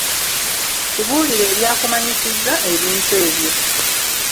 Tubuulire ebyakumanyisizza ebintu ebyo.